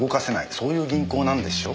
そういう銀行なんでしょ？